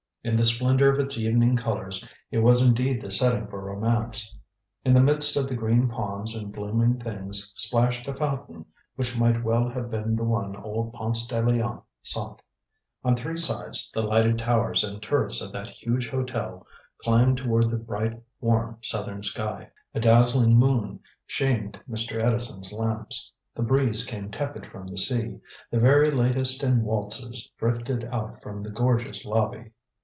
In the splendor of its evening colors, it was indeed the setting for romance. In the midst of the green palms and blooming things splashed a fountain which might well have been the one old Ponce de Leon sought. On three sides the lighted towers and turrets of that huge hotel climbed toward the bright, warm southern sky. A dazzling moon shamed Mr. Edison's lamps, the breeze came tepid from the sea, the very latest in waltzes drifted out from the gorgeous lobby.